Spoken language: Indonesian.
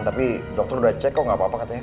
tapi dokter udah cek kok gak apa apa katanya